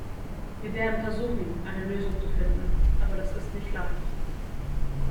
Wir werden versuchen, eine Lösung zu finden, aber das ist nicht leicht.